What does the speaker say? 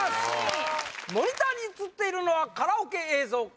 モニターに映っているのはカラオケ映像か？